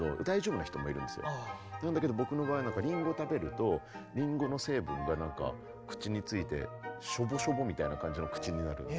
なんだけど僕の場合リンゴを食べるとリンゴの成分がなんか口についてしょぼしょぼみたいな感じの口になるんで。